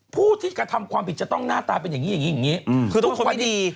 ผู้ที่กระทำความผิดจะต้องหน้าตาเป็นอย่างนี้คือต้องเป็นคนไม่ดี